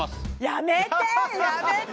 やめてやめて！